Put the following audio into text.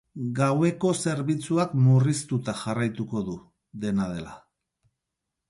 Gaueko zerbitzuak murriztuta jarraituko du, dena dela.